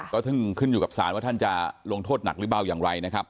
ก็ขึ้นอยู่กับสารว่าท่านจะลงโทษหนักหรือเปล่าอย่างไรนะครับ